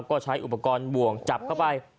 ก็ใช้อุปกรณ์บ่วงจับเข้าไป